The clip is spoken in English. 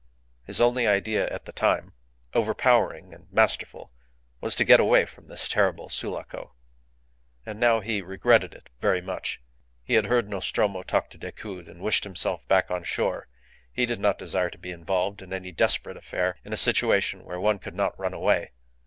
His only idea at the time, overpowering and masterful, was to get away from this terrible Sulaco. And now he regretted it very much. He had heard Nostromo talk to Decoud, and wished himself back on shore. He did not desire to be involved in any desperate affair in a situation where one could not run away.